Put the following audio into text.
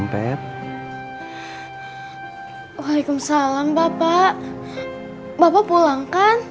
bapak hendak pulang